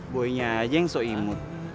boynya aja yang sok imut